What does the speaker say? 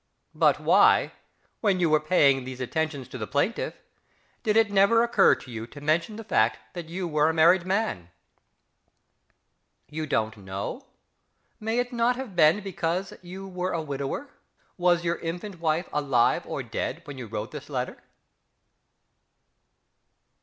But why, when you were paying these attentions to the plaintiff, did it never occur to you to mention the fact that you were a married man?... "You don't know?" May it not have been because you were a widower? Was your infant wife alive or dead when you wrote this letter?...